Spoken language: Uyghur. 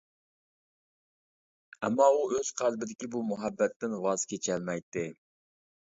ئەمما، ئۆز قەلبىدىكى بۇ مۇھەببەتتىن ۋاز كېچەلمەيتتى.